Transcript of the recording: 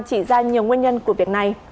chỉ ra nhiều nguyên nhân của việc này